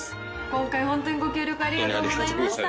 今回、本当にご協力ありがとうございました。